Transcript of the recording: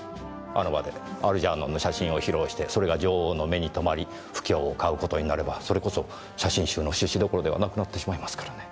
あの場でアルジャーノンの写真を披露してそれが女王の目に留まり不興をかう事になればそれこそ写真集の出資どころではなくなってしまいますからね。